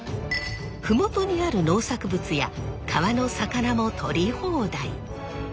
麓にある農作物や川の魚も取り放題。